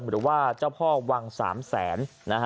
หรือว่าเจ้าพ่อวังสามแสน